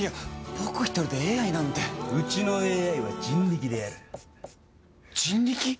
僕一人でＡＩなんてうちのＡＩは人力でやる人力？